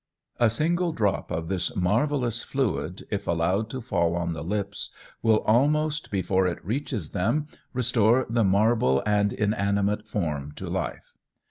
A single drop of this marvellous fluid, if allowed to fall on the lips, will, almost before it reaches them, restore the marble and inanimate form to life.